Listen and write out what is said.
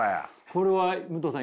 これは武藤さん